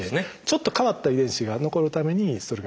ちょっと変わった遺伝子が残るためにそれが必要。